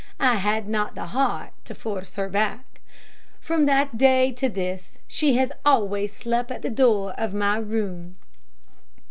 I had not the heart to force her back. From that day to this she has always slept at the door of my room."